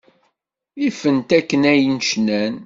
Ifen-t akken ay cnan.